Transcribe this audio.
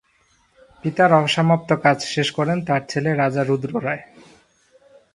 পিতার অসমাপ্ত কাজ শেষ করেন তাঁর ছেলে রাজা রুদ্র রায়।